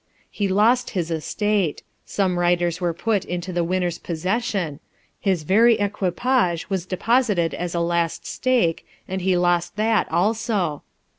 He lost his estate : some writings were put into the winner's possession ; his very equipage was deposited as a last stake, and he lost that also.